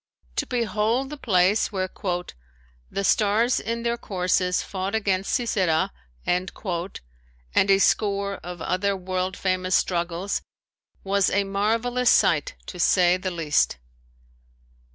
To behold the place where "The stars in their courses fought against Sisera" and a score of other world famous struggles was a marvelous sight to say the least.